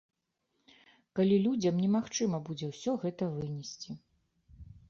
Калі людзям немагчыма будзе ўсё гэта вынесці.